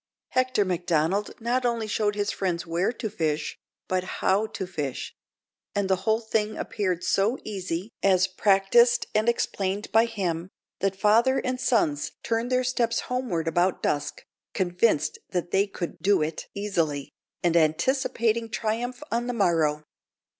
Hector Macdonald not only showed his friends where to fish, but how to fish; and the whole thing appeared so easy as practised and explained by him, that father and sons turned their steps homeward about dusk, convinced that they could "do it" easily, and anticipating triumph on the morrow.